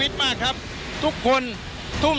สถานการณ์ข้อมูล